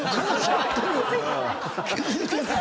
気付いてない。